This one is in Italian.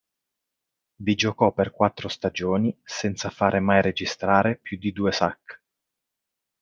Vi giocò per quattro stagioni, senza fare mai registrare più di due sack.